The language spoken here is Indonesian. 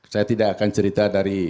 saya tidak akan cerita dari